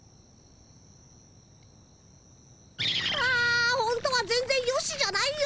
あほんとは全ぜんよしじゃないよ。